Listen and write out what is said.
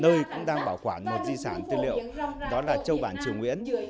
nơi cũng đang bảo quản một di sản tư liệu đó là châu bản triều nguyễn